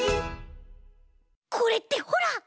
これってほら！